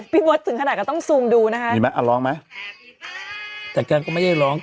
พี่เบิร์ตถึงขนาดก็ต้องซูมดูนะคะมีไหมอ่ะร้องไหมแต่แกก็ไม่ได้ร้อง